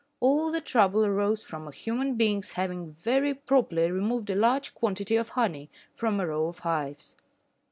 All the trouble arose from a human being's having very properly removed a large quantity of honey from a row of hives.